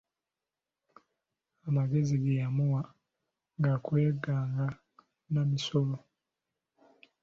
Amagezi ge yamuwa ga kweganga n'amisalo.